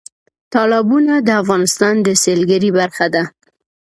تالابونه د افغانستان د سیلګرۍ برخه ده.